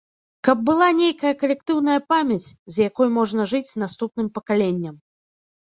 Каб была нейкая калектыўная памяць, з якой можна жыць наступным пакаленням.